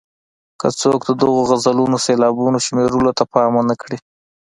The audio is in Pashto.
که څوک د دغو غزلونو سېلابونو شمېرلو ته پام ونه کړي.